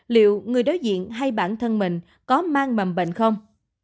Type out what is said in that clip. liệu người đối diện hay bản thân mình có mang mầm bệnh không